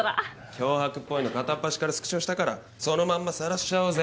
脅迫っぽいの片っ端からスクショしたからそのまんま晒しちゃおうぜ。